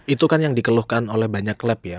itu kan yang dikeluhkan oleh banyak klub ya